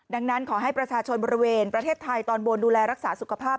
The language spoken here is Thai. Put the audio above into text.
ดังนั้นขอให้ประชาชนบริเวณประเทศไทยตอนบนดูแลรักษาสุขภาพ